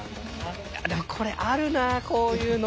でもこれあるなあこういうの。